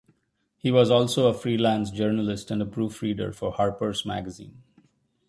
He was also a freelance journalist and a proofreader for "Harper's Magazine".